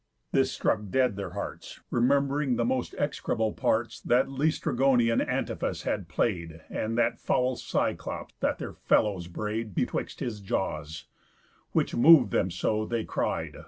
This struck dead their hearts, Rememb'ring the most execrable parts That Læstrygonian Antiphas had play'd, And that foul Cyclop that their fellows bray'd Betwixt his jaws; which mov'd them so, they cried.